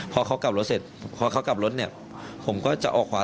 พอเขากลับรถเสร็จพอเขากลับรถเนี่ยผมก็จะออกขวา